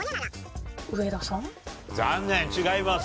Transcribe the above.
残念違います。